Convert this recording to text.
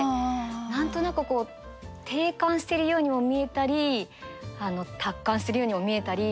何となくこう諦観してるようにも見えたり達観しているようにも見えたり。